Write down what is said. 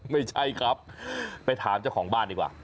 ไม่ใช่ครับไปถามเจ้าของบ้านดีกว่า